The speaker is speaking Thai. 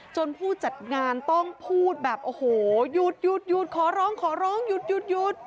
ผู้จัดงานต้องพูดแบบโอ้โหหยุดหยุดขอร้องขอร้องหยุดหยุด